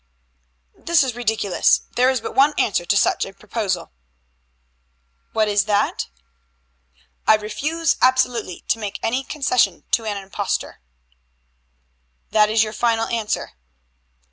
"This is ridiculous. There is but one answer to such a proposal." "What is that?" "I refuse absolutely to make any concession to an impostor." "That is your final answer?"